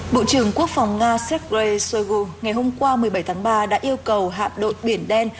bộ trưởng quốc phòng nga sergei shoigu ngày hôm qua một mươi bảy tháng ba đã yêu cầu hạm đội biển đen